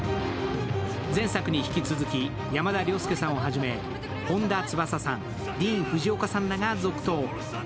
前作に引き続き山田涼介さんをはじめ本田翼さん、ディーン・フジオカさんらが続投。